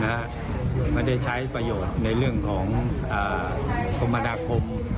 มันก็ไม่ได้ใช้ประโยชน์ในเรื่องของธรรมดาคม